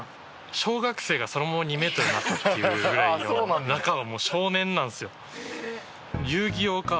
小学生がそのまま２メートルになったっていうぐらいの中が少年なんですよ。